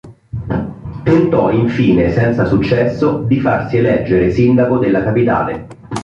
Tentò infine senza successo di farsi eleggere sindaco della capitale.